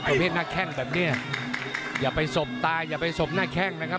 ประเภทหน้าแข้งแบบนี้อย่าไปสบตายอย่าไปสบหน้าแข้งนะครับ